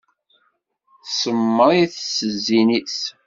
Tsemmeṛ-it s zzin-is.